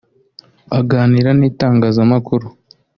Aganira n’Itangazamakuru